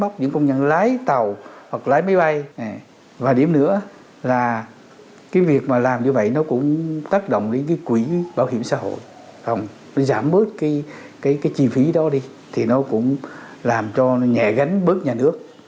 cái việc mà làm như vậy nó cũng tác động đến cái quỹ bảo hiểm xã hội giảm bớt cái chi phí đó đi thì nó cũng làm cho nhẹ gánh bớt nhà nước